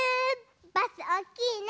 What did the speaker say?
バスおおきいね！